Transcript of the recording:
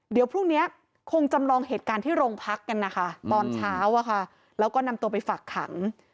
เดี๋ยวพรุ่งนี้คงจำลองเหตุการณ์ที่โรงพักกันนะคะตอนเช้าแล้วก็นำตัวไปฝากขัง